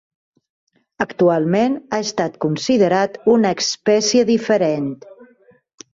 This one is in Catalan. Actualment ha estat considerat una espècie diferent.